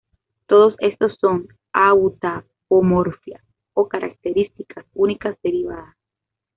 Todos estos son autapomorfias, o características únicas derivadas.